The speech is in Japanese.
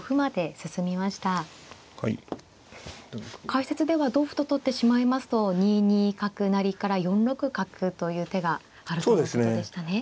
解説では同歩と取ってしまいますと２二角成から４六角という手があるとのことでしたね。